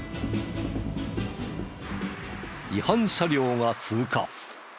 違反車両が通過。